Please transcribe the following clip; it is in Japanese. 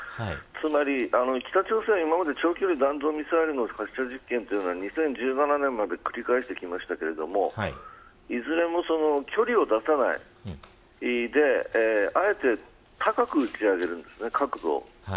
つまり、北朝鮮は今まで長距離弾道ミサイルの発射実験は２０１７年まで繰り返してきましたがいずれも距離を出さないであえて高く打ち上げているんです。